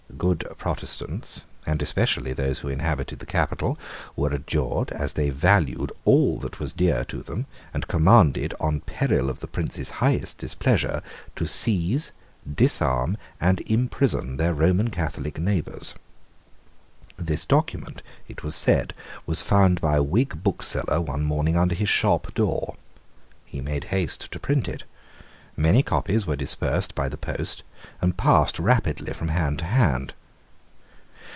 Good Protestants, and especially those who inhabited the capital, were adjured, as they valued all that was dear to them, and commanded, on peril of the Prince's highest displeasure, to seize, disarm, and imprison their Roman Catholic neighbours. This document, it is said, was found by a Whig bookseller one morning under his shop door. He made haste to print it. Many copies were dispersed by the post, and passed rapidly from hand to hand.